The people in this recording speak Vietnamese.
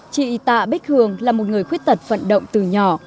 chị tạ bích hường là một người khuyết tật vận động từ nhỏ